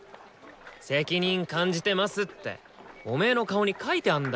「責任感じてます」っておめの顔に書いてあんだよ！